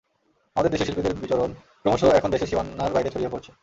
আমাদের দেশের শিল্পীদের বিচরণ ক্রমশ এখন দেশের সীমানার বাইরে ছড়িয়ে পড়ছে।